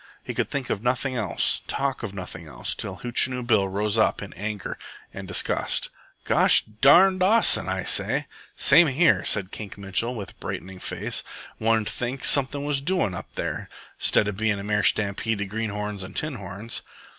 He could think of nothing else, talk of nothing else, till Hootchinoo Bill rose up in anger and disgust. "Gosh darn Dawson, say I!" he cried. "Same here," said Kink Mitchell, with a brightening face. "One'd think something was doin' up there, 'stead of bein' a mere stampede of greenhorns an' tinhorns."